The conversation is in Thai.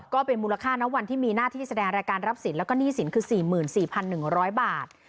ก็เป็นมูลค่าณวันที่มีหน้าที่แสดงรายการรับสินแล้วก็หนี้สินคือ๔๔๑๐๐บาท